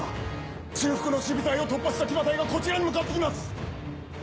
中腹の守備隊を突破した騎馬隊がこちらに向かってきます！